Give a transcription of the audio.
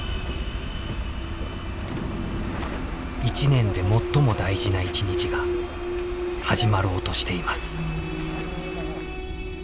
一年で最も大事な一日が始まろうとしています。